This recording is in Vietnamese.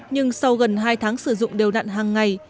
nhưng sau gần hai tháng sử dụng điều nặng hàng ngày